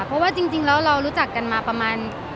เพราะเรารู้จักกันมาประมาณ